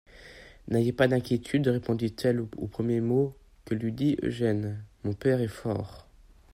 N'ayez pas d'inquiétude, répondit-elle aux premiers mots que lui dit Eugène, mon père est fort.